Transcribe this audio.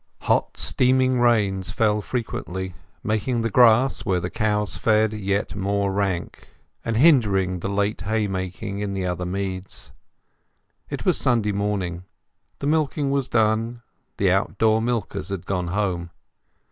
Hot steaming rains fell frequently, making the grass where the cows fed yet more rank, and hindering the late hay making in the other meads. It was Sunday morning; the milking was done; the outdoor milkers had gone home.